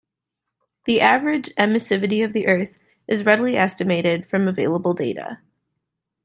The average emissivity of the earth is readily estimated from available data.